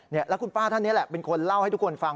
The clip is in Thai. แล้วคุณป้าท่านนี้แหละเป็นคนเล่าให้ทุกคนฟัง